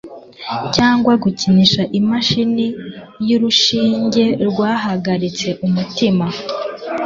Cyangwa gukinisha imashini yurushinge rwahagaritse umutima